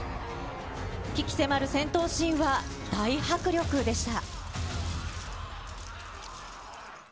鬼気迫る戦闘シーンは、大迫力でした。